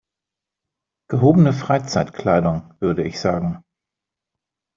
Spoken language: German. Gehobene Freizeitkleidung würde ich sagen.